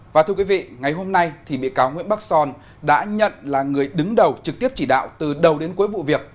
và thưa quý vị ngày hôm nay thì bị cáo nguyễn bắc son đã nhận là người đứng đầu trực tiếp chỉ đạo từ đầu đến cuối vụ việc